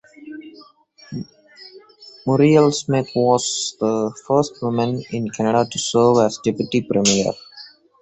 Muriel Smith was the first woman in Canada to serve as a deputy premier.